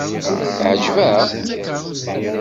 Ɛejbeɣ-k?